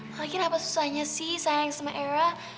malah ini kenapa susahnya sih sayang sama era